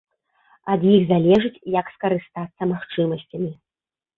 Ад іх залежыць, як скарыстацца магчымасцямі.